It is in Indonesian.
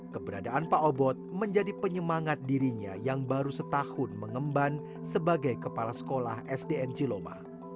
keberadaan pak obot menjadi penyemangat dirinya yang baru setahun mengemban sebagai kepala sekolah sdn ciloma